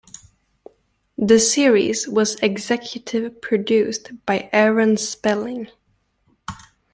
The series was executive produced by Aaron Spelling.